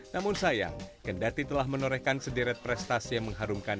namun sayang kendati telah menorehkan sederet prestasi yang mengharumkan